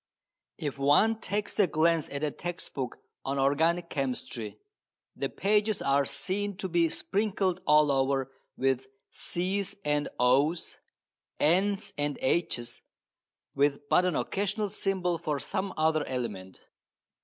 If one takes a glance at a text book on organic chemistry the pages are seen to be sprinkled all over with C's and O's, N's and H's, with but an occasional symbol for some other element.